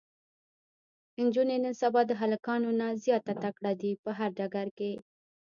انجونې نن سبا د هلکانو نه زياته تکړه دي په هر ډګر کې